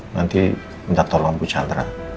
nanti minta tolong bu chandra